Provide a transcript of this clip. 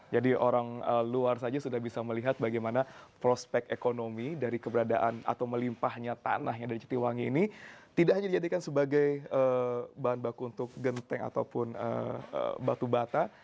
jadi orang luar saja sudah bisa melihat bagaimana prospek ekonomi dari keberadaan atau melimpahnya tanah yang ada jatiwangi ini tidak hanya dijadikan sebagai bahan baku untuk genteng ataupun batu bata